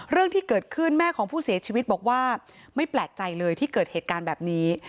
เรื่องที่เกิดขึ้นแม่ของผู้เสียชีวิตบอกว่าไม่แปลกใจเลยที่เกิดเหตุการณ์แบบนี้